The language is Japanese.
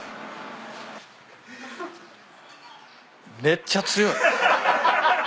めっちゃ強い。